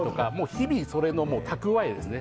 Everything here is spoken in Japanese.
日々それのたくわえですね。